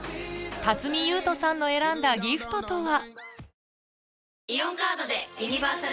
辰巳ゆうとさんの選んだギフトとは？